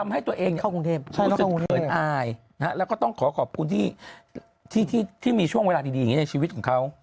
ให้ตัวเองรู้สึกเขินอายแล้วก็ต้องขอขอบคุณที่มีช่วงเวลาดีอย่างนี้ในชีวิตของเขา